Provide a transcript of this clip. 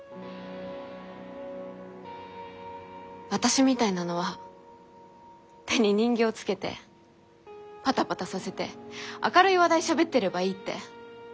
私みたいなのは手に人形つけてパタパタさせて明るい話題しゃべってればいいって。